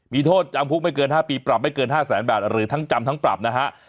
มีโทษจำคุกไม่เกิน๕ปีปรับไม่เกิน๕แสนบาทหรือทั้งจำทั้งปรับนะฮะ